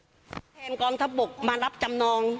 กรณีจ่าทนี้แทนกองทัพบวกมารับจำนอง